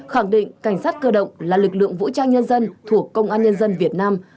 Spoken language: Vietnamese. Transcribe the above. khẳng định cảnh sát cơ động là lực lượng vũ trang nhân dân thuộc công an nhân dân việt nam